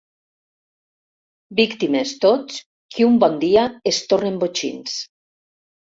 Víctimes, tots, que un bon dia es tornen botxins.